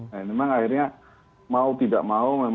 memang akhirnya mau tidak mau